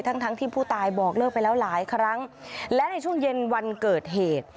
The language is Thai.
ทั้งทั้งที่ผู้ตายบอกเลิกไปแล้วหลายครั้งและในช่วงเย็นวันเกิดเหตุ